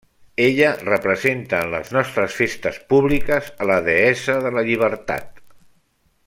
Ella representa en les nostres festes públiques a la deessa de la llibertat.